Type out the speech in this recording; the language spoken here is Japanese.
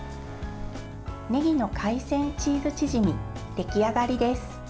ねぎの海鮮チーズチヂミ出来上がりです。